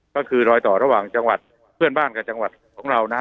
ก็คือรอยต่อระหว่างจังหวัดเพื่อนบ้านกับจังหวัดของเรานะฮะ